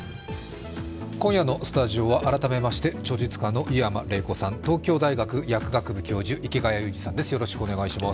今夜のスタジオは改めまして著述家の湯山玲子さん、東京大学薬学部教授池谷裕二さんです。